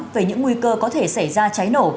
về những nguy cơ có thể xảy ra cháy nổ